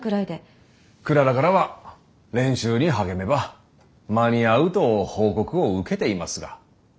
クララからは練習に励めば間に合うと報告を受けていますが。